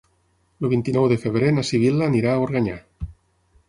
El vint-i-nou de febrer na Sibil·la anirà a Organyà.